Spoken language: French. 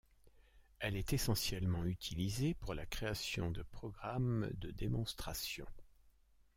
Elle est essentiellement utilisée pour la création de programmes de démonstrations.